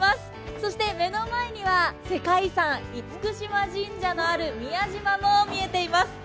そして目の前には世界遺産・厳島神社のある宮島も見えています。